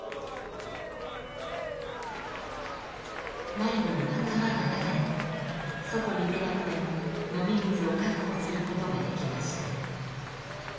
内部には川が流れ外に出なくても飲み水を確保することができました。